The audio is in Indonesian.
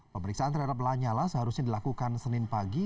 pemeriksaan terhadap lanyala seharusnya dilakukan senin pagi